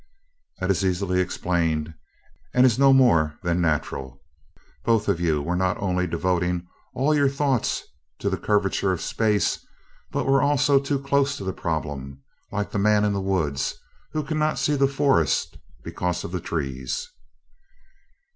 "That is easily explained, and is no more than natural. Both of you were not only devoting all your thoughts to the curvature of space, but were also too close to the problem like the man in the woods, who cannot see the forest because of the trees."